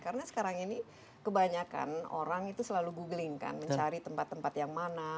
karena sekarang ini kebanyakan orang itu selalu googling kan mencari tempat tempat yang mana